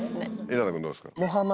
稲田君どうですか？